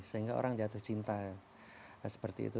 sehingga orang jatuh cinta seperti itu